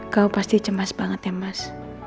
kau pasti cemas banget ya mas